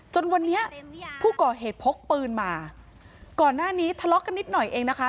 จนวันนี้ผู้ก่อเหตุพกปืนมาก่อนหน้านี้ทะเลาะกันนิดหน่อยเองนะคะ